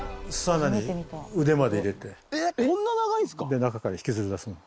で中から引きずり出す。